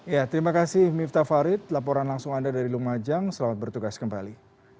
ya terima kasih miftah farid laporan langsung anda dari lumajang selamat bertugas kembali